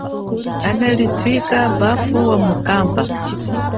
Kanali thwika bafu ya mikamba.